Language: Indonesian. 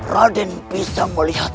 raden bisa melihat